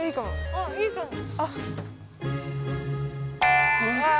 あっいいかも。